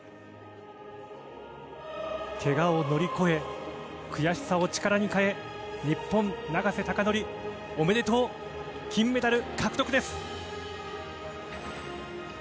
けがを乗り越え、悔しさを力に変え、日本、永瀬貴規、おめでとう、金メダル獲得です。